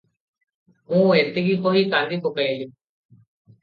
ମୁଁ ଏତିକି କହି କାନ୍ଦି ପକେଇଲି ।"